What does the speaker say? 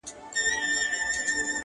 او چوپتيا خپره ده هر ځای-